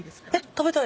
食べたい。